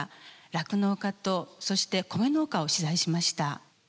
酪農家とそしてコメ農家を取材しました。